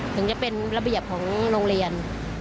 ถึงจะเป็นระเบียบของโรงเรียน